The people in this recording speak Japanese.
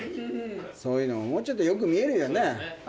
そういうのももうちょっとよく見えるよね。